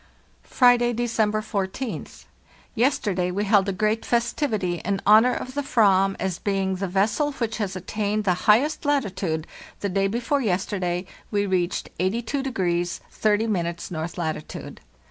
"Friday, December 14th. Yesterday we held a great festivity in honor of the fvam as being the vessel which has attained the highest latitude (the day before yesterday we reached 82° 30' north latitude).